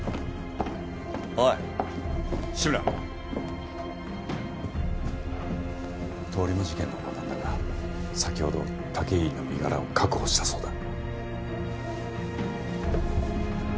おい志村通り魔事件のほうなんだが先ほど武入の身柄を確保したそうだ